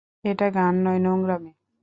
এটা গান নয়, নোংরামী।